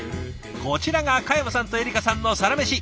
こちらが嘉山さんとエリカさんのサラメシ。